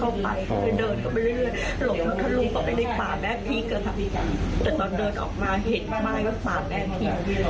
มันไปสู่ไหนแล้วหมามันเห่าก็เลยไม่กล้าเข้าไป